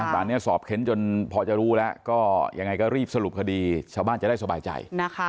ตอนนี้สอบเค้นจนพอจะรู้แล้วก็ยังไงก็รีบสรุปคดีชาวบ้านจะได้สบายใจ